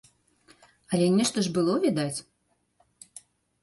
Але нешта ж было, відаць.